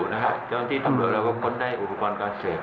จนต้องที่นำรวจเราก็จะค้้นได้อุปกรณ์การเสพ